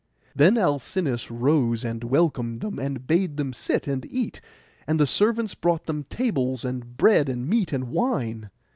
Then Alcinous rose, and welcomed them, and bade them sit and eat; and the servants brought them tables, and bread, and meat, and wine.